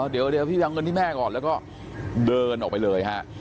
เดี๋ยวพี่จะเอาเงินให้แม่ก่อนแล้วก็เดินออกไปเลยฮะ